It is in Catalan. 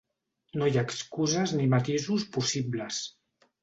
No hi ha excuses ni matisos possibles.